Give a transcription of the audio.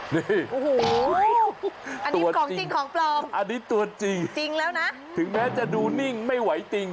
นี่ตัวจริงจริงแล้วนะอันนี้ตัวจริงถึงแม้จะดูนิ่งไม่ไหวจริง